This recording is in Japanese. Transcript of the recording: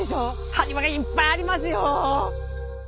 埴輪がいっぱいありますよ。